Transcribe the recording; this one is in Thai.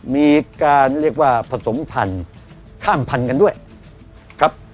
มีการเรียกว่าผสมพันธุ์ข้ามพันธุ์กันด้วยครับ